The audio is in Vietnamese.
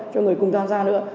cho người cùng ta ra nữa